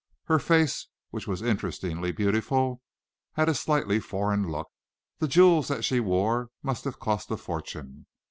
Her face, which was interestingly beautiful, had a slightly foreign look. The jewels that she wore must have cost a fortune.